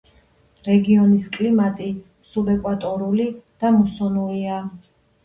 რეგიონის კლიმატი სუბეკვატორული და მუსონურია.